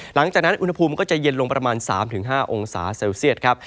หลังจากนั้นอุณหภูมิก็จะเย็นลงประมาณ๓๕องศาเซลเซียตครับ